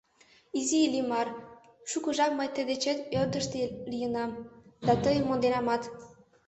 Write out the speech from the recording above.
Изи Иллимар, шуко жап мый тый дечет ӧрдыжыштӧ лийынам да тыйым монденамат.